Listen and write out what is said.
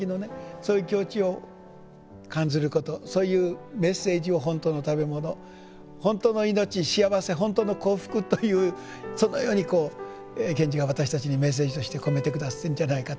そういう境地を感ずることそういうメッセージを「ほんたうのたべもの」「ほんたう」の命幸せ「ほんたう」の幸福というそのように賢治が私たちにメッセージとして込めて下さったんじゃないかと。